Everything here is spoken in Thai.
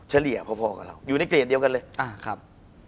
เฉลี่ยพอกับเราอยู่ในเกรดเดียวกันเลยครับ